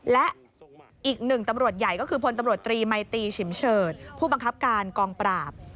และอีกหนึ่งตำรวจใหญ่ก็คือพลตำรวจตรีมัยตีฉิมเฉิดผู้บังคับการกองปราบ